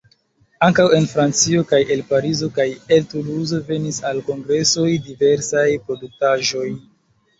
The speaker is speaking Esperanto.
Ankaŭ en Francio kaj el Parizo kaj el Tuluzo venis al kongresoj diversaj produktaĵoj.